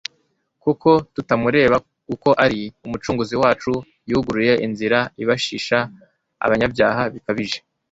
kuko tuzamureba uko ari» Umucunguzi wacu yuguruye inzira ibashisha abanyabyaha bikabije